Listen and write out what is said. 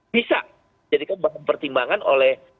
bisa jadikan pertimbangan oleh